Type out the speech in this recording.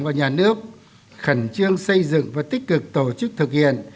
và nhà nước khẩn trương xây dựng và tích cực tổ chức thực hiện